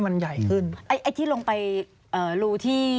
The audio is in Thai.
สวัสดีค่ะที่จอมฝันครับ